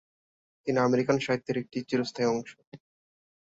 তিনি আমেরিকান সাহিত্যের একটি চিরস্থায়ী অংশ"